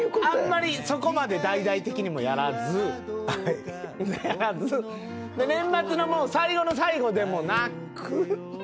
あんまりそこまで大々的にもやらず年末の最後の最後でもなく。